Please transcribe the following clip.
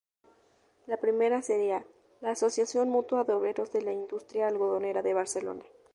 La primera sería la "Asociación mutua de obreros de la industria algodonera de Barcelona".